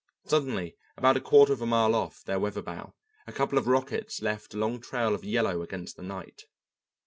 Suddenly, about a quarter of a mile off their weather bow, a couple of rockets left a long trail of yellow against the night.